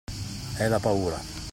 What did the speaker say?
È la paura!